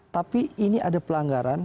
tapi ini ada pelanggaran